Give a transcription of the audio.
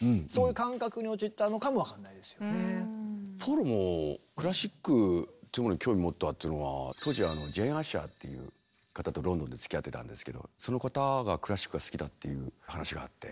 ポールもクラシックっていうものに興味を持ったっていうのは当時ジェーン・アッシャーっていう方とロンドンでつきあってたんですけどその方がクラシックが好きだっていう話があって。